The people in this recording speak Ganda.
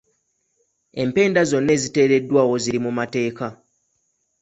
Empenda zonna eziteereddwawo ziri mu mateeka.